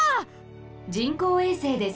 人工衛星です。